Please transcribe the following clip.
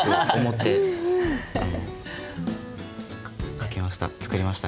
書きました。